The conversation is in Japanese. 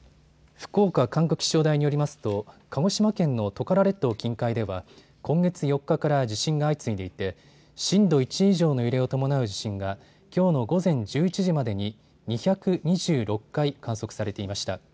福岡管区気象台によりますと、鹿児島県のトカラ列島近海では今月４日から地震が相次いでいて震度１以上の揺れを伴う地震がきょうの午前１１時までに２２６回、観測されていました。